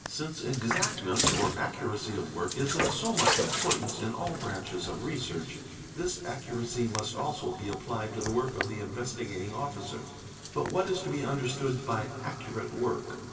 Since 'exactness', or accuracy of work, is of so much importance in all branches of research, this accuracy must also be apphed to the work of the Investigating Officer. But what is to be understood by accurate work?